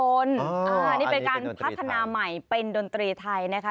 นี่เป็นการพัฒนาใหม่เป็นดนตรีไทยนะคะ